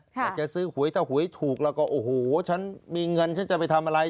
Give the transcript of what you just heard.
แต่จะซื้อหวยถ้าหวยถูกแล้วก็โอ้โหฉันมีเงินฉันจะไปทำอะไร